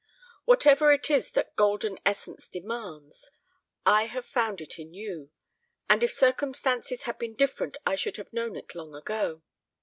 Whatever it is that golden essence demands, I have found it in you, and if circumstances had been different I should have known it long ago.